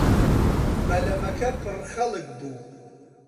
بەلەمەکە پڕ خەڵک بوو.